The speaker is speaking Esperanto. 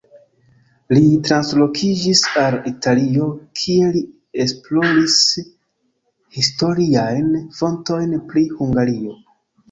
Li translokiĝis al Italio, kie li esploris historiajn fontojn pri Hungario.